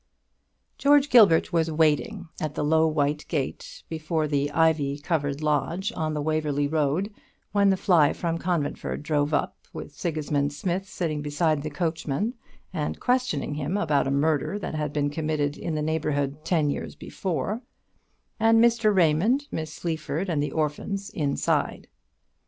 George Gilbert was waiting at the low white gate before the ivy coloured lodge on the Waverly Road when the fly from Conventford drove up, with Sigismund Smith sitting beside the coachman, and questioning him about a murder that had been committed in the neighbourhood ten years before; and Mr. Raymond, Miss Sleaford, and the orphans inside.